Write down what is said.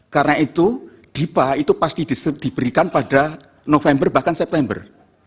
karena itu dipa itu pasti diberikan pada november bahkan september